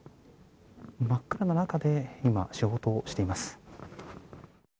真っ暗な中で今仕事をしています。